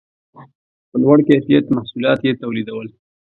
په لوړ کیفیت محصولات یې تولیدول